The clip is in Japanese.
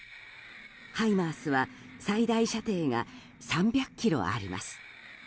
ハイマースは最大射程が３００ｋｍあります。